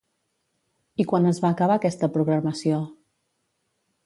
I quan es va acabar aquesta programació?